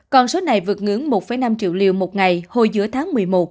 còn số này vượt ngưỡng một năm triệu liều một ngày hồi giữa tháng một mươi một